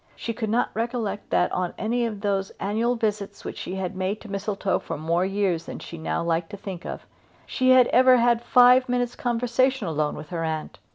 She could not recollect that, on any of those annual visits which she had made to Mistletoe for more years than she now liked to think of, she had ever had five minutes' conversation alone with her aunt.